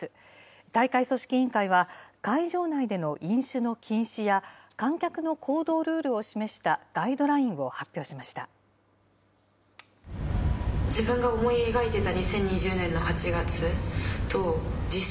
大会組織委員会は、会場内での飲酒の禁止や、観客の行動ルールを示したガイドラインを発表しました。